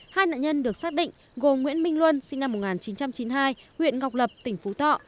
hai nạn nhân được xác định gồm nguyễn minh luân sinh năm một nghìn chín trăm chín mươi hai huyện ngọc lập tỉnh phú thọ